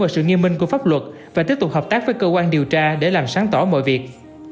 và sự nghiêm minh của pháp luật và tiếp tục hợp tác với cơ quan điều tra để làm sáng tỏ mọi việc